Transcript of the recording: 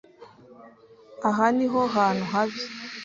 Aha niho hantu habi.